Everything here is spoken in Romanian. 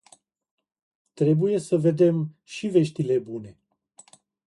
Trebuie să vedem și veștile bune.